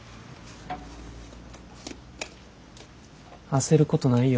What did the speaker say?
焦ることないよ。